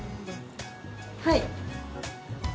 はい。